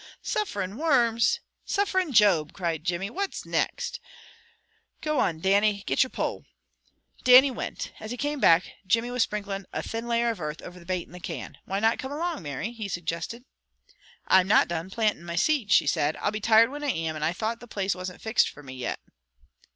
"'Sufferin' worms!' Sufferin' Job!" cried Jimmy. "What nixt? Go on, Dannie, get your pole!" Dannie went. As he came back Jimmy was sprinkling a thin layer of earth over the bait in the can. "Why not come along, Mary?" he suggested. "I'm not done planting my seeds," she answered. "I'll be tired when I am, and I thought that place wasn't fixed for me yet."